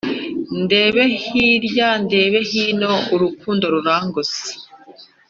ndeba hirya ndeba hino urukundo rurangose